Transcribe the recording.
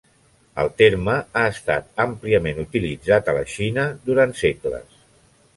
El terme ha estat àmpliament utilitzat a la Xina durant segles.